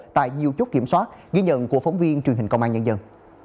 tại nhiều chốt kiểm soát ghi nhận của phóng viên truyền hình công an nhân dân